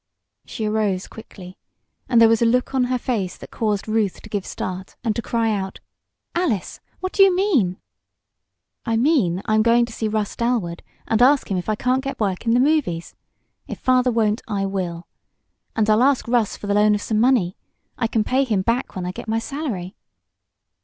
She arose quickly, and there was a look on her face that caused Ruth to give start and to cry out: "Alice! What do you mean?" "I mean I'm going to see Russ Dalwood and ask him if I can't get work in the movies. If father won't, I will! And I'll ask Russ for the loan of some money. I can pay him back when I get my salary!"